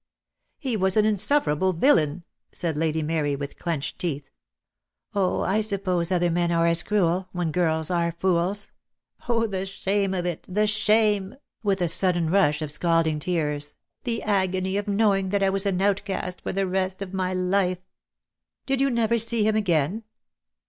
"He was an insufferable villain," said Lady Mary, with clenched teeth. "Oh, I suppose other men are as cruel, when girls are fools. Oh, the shame of it, the shame," 42 DEAD LOVE HAS CHAINS. with 9, sudden rush of scalding tears, "the agony of knowing that I was an outcast for the rest of my Ufe." "Did you never see him again?"